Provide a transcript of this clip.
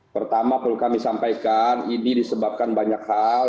pertama perlu kami sampaikan ini disebabkan banyak hal